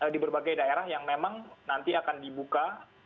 di berbagai daerah yang memang nanti akan dibuka